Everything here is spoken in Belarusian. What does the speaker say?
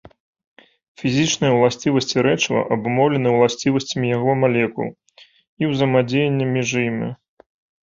Фізічныя ўласцівасці рэчыва абумоўлены ўласцівасцямі яго малекул і ўзаемадзеяння між імі.